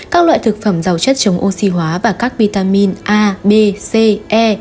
các loại thực phẩm giàu chất chống oxy hóa và các vitamin a b c e